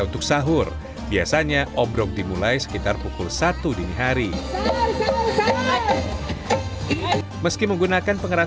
untuk sahur biasanya ombrong dimulai sekitar pukul satu dini hari meski menggunakan pengeras